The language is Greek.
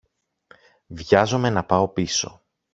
Βιάζομαι να πάω πίσω.